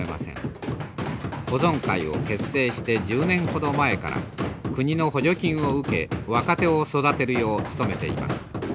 保存会を結成して１０年ほど前から国の補助金を受け若手を育てるよう努めています。